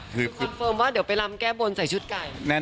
คือคอนเฟิร์มว่าเดี๋ยวไปลำแก้บนใส่ชุดไก่